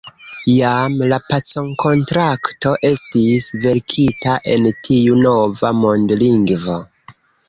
Jam la pacokontrakto estis verkita en tiu nova mondolingvo.